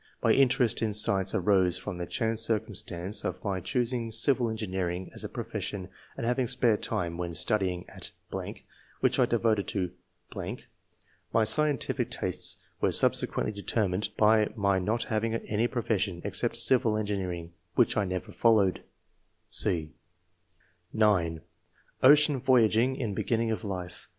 My interest in science arose from the chance cir cumstance of my choosing civil engineering as a profession, and having spare time, when studying at. •.• I which I devoted to .... My scientific •e subsequently determined by my not III.] OBIGIN OF TASTE FOR SCIENCE. 153 having any profession, except civil engineering, which I never followed/' (c) (9) " Ocean voyaging in beginning of life.